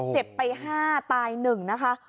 เจ็บไปห้าตายหนึ่งนะคะ